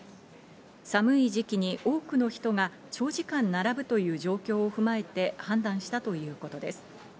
寒い時期に多くの人が長時間並ぶという状況を踏まえて判断したということです。